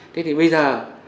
thế thì bây giờ